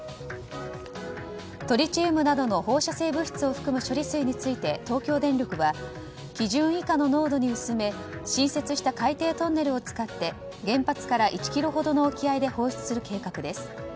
トリチウムなどの放射性物質を含む処理水について東京電力は基準以下の濃度に薄め新設した海底トンネルを使って原発から１ｋｍほどの沖合で放出する計画です。